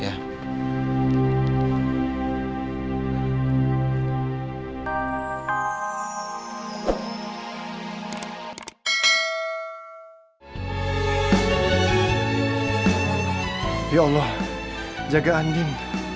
ya allah jaga andin